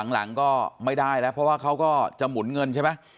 หลังก็ไม่ได้แล้วเพราะว่าเขาก็จะหมุนเงินใช่ไหม